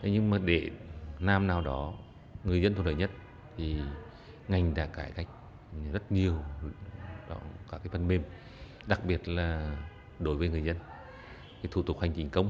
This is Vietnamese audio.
nhưng mà để nam nào đó người dân thuộc đời nhất thì ngành đã cải cách